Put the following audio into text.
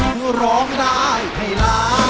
ว่าลองได้ให้ล้าง